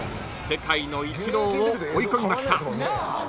世界のイチローを追い込みました］